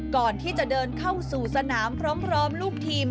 ก่อนที่จะเดินเข้าสู่สนามพร้อมลูกทีม